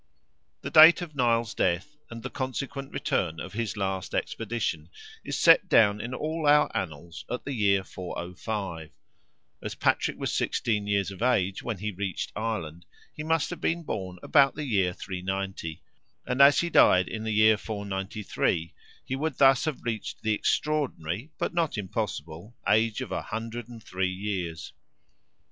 The date of Nial's death, and the consequent return of his last expedition, is set down in all our annals at the year 405; as Patrick was sixteen years of age when he reached Ireland, he must have been born about the year 390; and as he died in the year 493, he would thus have reached the extraordinary, but not impossible age of 103 years.